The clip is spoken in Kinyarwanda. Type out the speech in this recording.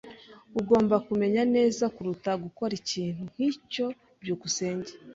Ugomba kumenya neza kuruta gukora ikintu nkicyo. byukusenge